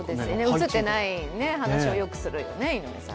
映ってない話をよくするよね、井上さん。